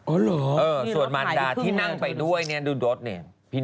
เอ้อเหรอทีระมัดขายที่ครึ่งหนึ่งนะคะดูเนี่ยดูดรสเนี่ย